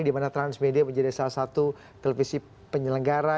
dimana transmedia menjadi salah satu televisi penyelenggara